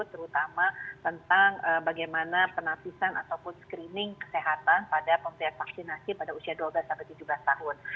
terutama tentang bagaimana penapisan ataupun screening kesehatan pada pemberian vaksinasi pada usia dua belas tujuh belas tahun